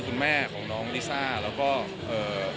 คุณแม่น้องให้โอกาสดาราคนในผมไปเจอคุณแม่น้องให้โอกาสดาราคนในผมไปเจอ